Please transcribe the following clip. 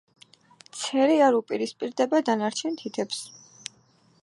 ცერი არ უპირისპირდება დანარჩენ თითებს.